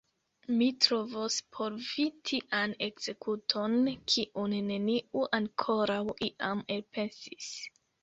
Mi trovos por vi tian ekzekuton, kiun neniu ankoraŭ iam elpensis!